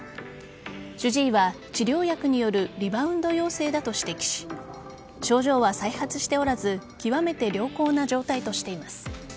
主治医は治療薬によるリバウンド陽性だと指摘し症状は再発しておらず極めて良好な状態としています。